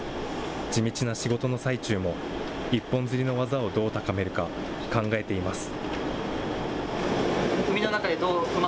地道な仕事の最中も、一本釣りの技をどう高めるか考えています。